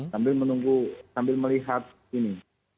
sambil menunggu sambil melihat ini